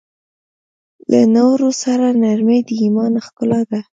له نورو سره نرمي د ایمان ښکلا ده.